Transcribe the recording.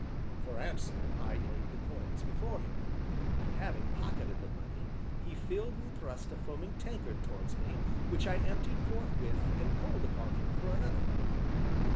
For answer I laid the coins before him. And having pocketed the money, he filled and thrust a foaming tankard towards me, which I emptied forthwith and called upon him for another.